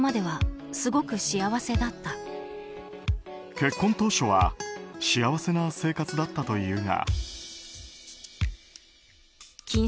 結婚当初は幸せな生活だったというが。